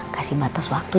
kasih batas waktu